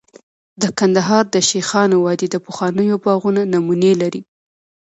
د کندهار د شیخانو وادي د پخوانیو باغونو نمونې لري